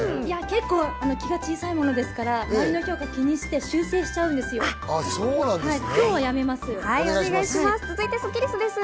結構気が小さいものですから周りの声を気にして修正しちゃうんですよ。